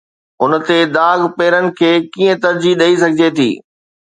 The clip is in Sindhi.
ان تي داغ پيرن کي ڪيئن ترجيح ڏئي سگهجي ٿي؟